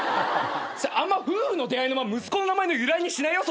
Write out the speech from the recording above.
あんま夫婦の出会いの場息子の名前の由来にしないよ。